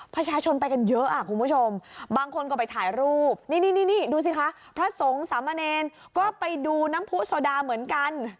ประชาชนไปกันเยอะคุณผู้ชมบางคนก็ไปถ่ายรูปนี่นี่ดูสิคะพระสงฆ์สามเณรก็ไปดูน้ำผู้โซดาเหมือนกัน